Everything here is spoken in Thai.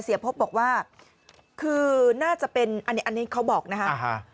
เสียพบบอกว่าคือน่าจะเป็นอันนี้อันนี้เขาบอกนะฮะ